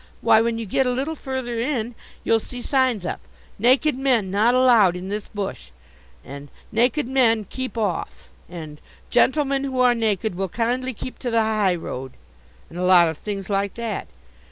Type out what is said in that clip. Why, when you get a little farther in you'll see signs up: NAKED MEN NOT ALLOWED IN THIS BUSH, and NAKED MEN KEEP OFF, and GENTLEMEN WHO ARE NAKED WILL KINDLY KEEP TO THE HIGH ROAD, and a lot of things like that.